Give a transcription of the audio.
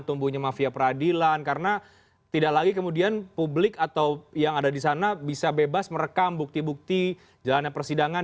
tumbuhnya mafia peradilan karena tidak lagi kemudian publik atau yang ada di sana bisa bebas merekam bukti bukti jalanan persidangan